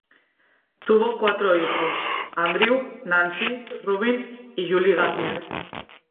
Tuvo cuatro hijos: Andrew, Nancy, Rubin y Julie Gardner.